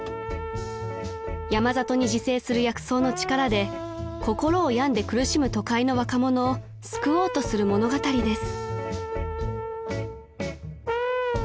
［山里に自生する薬草の力で心を病んで苦しむ都会の若者を救おうとする物語です］